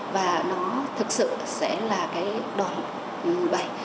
và nó thực sự sẽ là cái đoạn bày